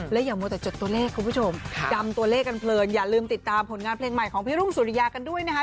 และอย่ามัวแต่จดตัวเลขคุณผู้ชมจำตัวเลขกันเพลินอย่าลืมติดตามผลงานเพลงใหม่ของพี่รุ่งสุริยากันด้วยนะคะ